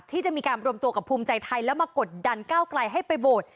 ที่จะมีการรวมตัวกับภูมิใจไทยแล้วมากดดันก้าวไกลให้ไปโหวต